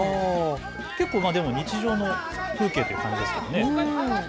結構、日常の風景という感じですけどね。